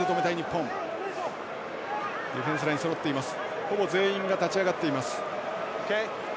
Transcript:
ディフェンスラインそろっています。